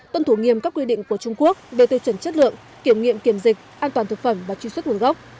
tuân thủ nghiêm các quy định của trung quốc về tiêu chuẩn chất lượng kiểm nghiệm kiểm dịch an toàn thực phẩm và truy xuất nguồn gốc